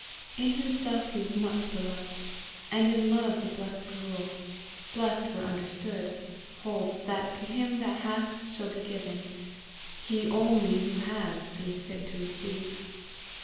In himself he was much beloved, and in love the blessed rule, blessed where understood, holds, that to him that hath shall be given, he only who has being fit to receive.